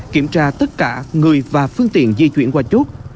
kiểm tra tất cả người và phương tiện di chuyển qua chốt